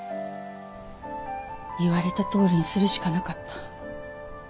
言われたとおりにするしかなかった。